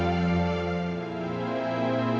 aku mau pergi